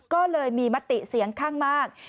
ก็เลยมีมติเสียงข้างมาก